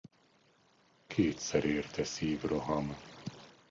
Kétszer érte szívroham.